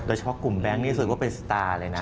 เฉพาะกลุ่มแบงค์นี่รู้สึกว่าเป็นสตาร์เลยนะ